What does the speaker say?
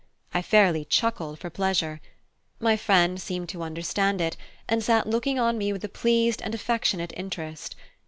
I fairly chuckled for pleasure. My friend seemed to understand it, and sat looking on me with a pleased and affectionate interest.